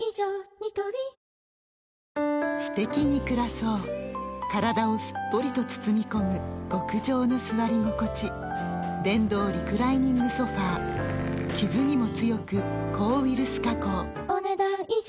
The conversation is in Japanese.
ニトリすてきに暮らそう体をすっぽりと包み込む極上の座り心地電動リクライニングソファ傷にも強く抗ウイルス加工お、ねだん以上。